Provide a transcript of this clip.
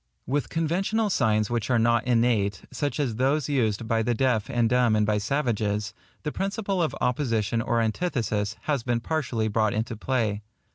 With conventional signs which are not innate, such as those used by the deaf and dumb and by savages, the principle of opposition or antithesis has been partially brought into play.